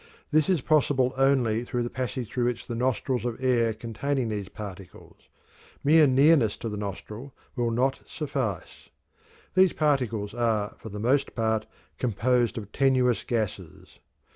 This is possible only by the passage through the nostrils of air containing these particles; mere nearness to the nostril will not suffice. These particles are for the most part composed of tenuous gases.